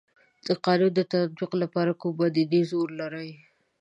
د قانون د تطبیق لپاره کوم مدني زور لري.